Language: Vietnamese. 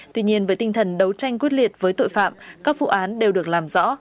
tuy nhiên với tinh thần đấu tranh quyết liệt với tội phạm các vụ án đều được làm rõ